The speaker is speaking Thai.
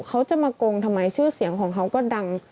เขาจะมาโกงทำไมชื่อเสียงของเขาก็ดัง